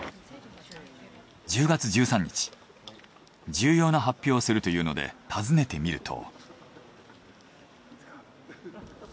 重要な発表をするというので訪ねてみると。